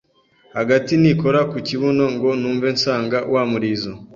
hagati nikora ku kibuno ngo numve nsanga wa murizo